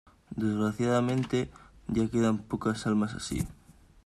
desgraciadamente, ya quedan pocas almas así.